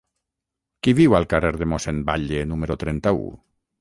Qui viu al carrer de Mossèn Batlle número trenta-u?